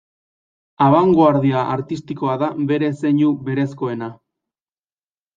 Abangoardia artistikoa da bere zeinu berezkoena.